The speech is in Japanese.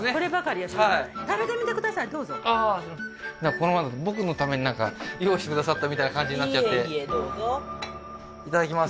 このままだと僕のためになんか用意してくださったみたいな感じになっちゃっていえいえどうぞいただきます